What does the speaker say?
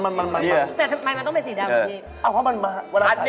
เตะทำไมมันต้องเป็นสีดำอย่างนี้